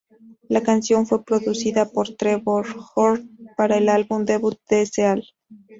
La canción fue producida por Trevor Horn para el álbum debut de Seal.